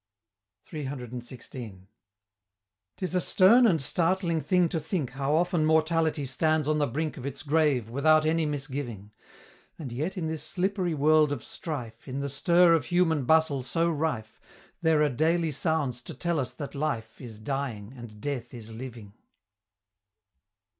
CCCXVI. 'Tis a stern and startling thing to think How often mortality stands on the brink Of its grave without any misgiving: And yet in this slippery world of strife, In the stir of human bustle so rife, There are daily sounds to tell us that Life Is dying, and Death is living!